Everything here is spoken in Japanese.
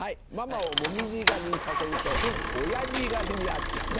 ママを紅葉狩りに誘うとおやじ狩りに遭っちゃう。